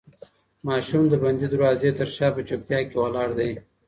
ماشوم د بندې دروازې تر شا په چوپتیا کې ولاړ دی.